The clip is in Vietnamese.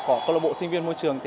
của club sinh viên môi trường